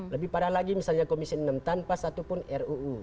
lebih parah lagi misalnya komisi enam tanpa satupun ruu